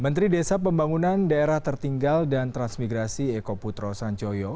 menteri desa pembangunan daerah tertinggal dan transmigrasi eko putro sanjoyo